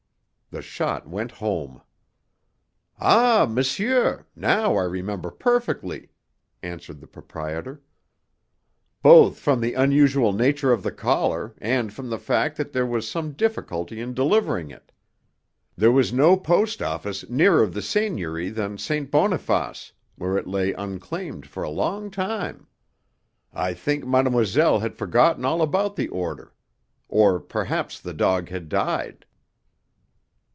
The shot went home. "Ah, monsieur, now I remember perfectly," answered the proprietor, "both from the unusual nature of the collar and from the fact that there was some difficulty in delivering it. There was no post office nearer the seigniory than St. Boniface, where it lay unclaimed for a long time. I think madamoiselle had forgotten all about the order. Or perhaps the dog had died!"